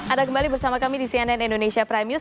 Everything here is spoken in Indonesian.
ada kembali bersama kami di cnn indonesia premiers